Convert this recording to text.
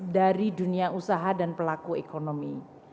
dari dunia usaha dan pelaku ekonomi